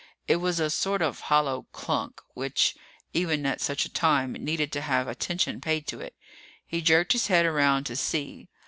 It was a sort of hollow klunk which, even at such a time, needed to have attention paid to it. He jerked his head around to see.